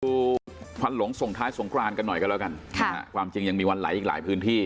ควันหลงส่งท้ายสงครานกันหน่อยกันแล้วกันนะฮะความจริงยังมีวันไหลอีกหลายพื้นที่